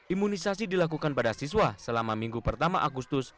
imunisasi dilakukan pada siswa selama minggu pertama agustus